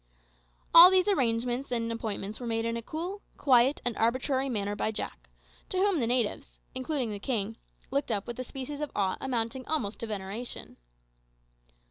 All these arrangements and appointments were made in a cool, quiet, and arbitrary manner by Jack, to whom the natives, including the king, looked up with a species of awe amounting almost to veneration.